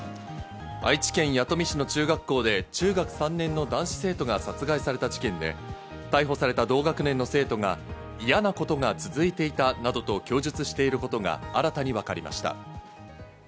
愛知県弥富市の中学校で中学３年の男子生徒が殺害された事件で、逮捕された同学年の生徒が、嫌なことが続いていたなどと供述していることが新たに分かりました。